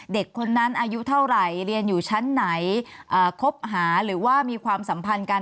เด็กคนนั้นอายุเท่าไหร่เรียนอยู่ชั้นไหนคบหาหรือว่ามีความสัมพันธ์กัน